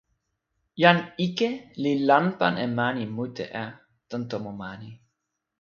jan ike li lanpan e mani mute a tan tomo mani.